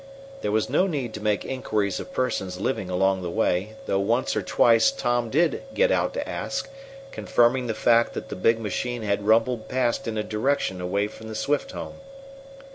There was no need to make inquiries of persons living along the way, though once or twice Tom did get out to ask, confirming the fact that the big machine had rumbled past in a direction away from the Swift home.